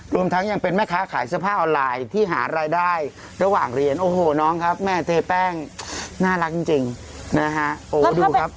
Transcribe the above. รวมทั้งยังเป็นแม่ค้าขายเสื้อผ้าออนไลน์ที่หารายได้ระหว่างเรียนโอ้โหน้องครับแม่เทแป้งน่ารักจริงนะฮะโอ้ดูครับ